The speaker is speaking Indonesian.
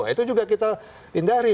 itu juga kita hindari